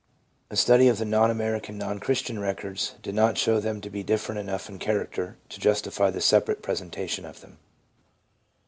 A study of the non American, non Christian records did not show them to be different enough in character to justify the separate presentation of them.